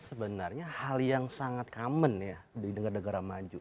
sebenarnya hal yang sangat common ya di negara negara maju